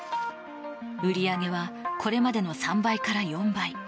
売り上げはこれまでの３倍から４倍。